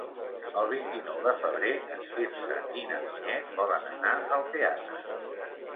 El vint-i-nou de febrer en Quirze i na Vinyet volen anar al teatre.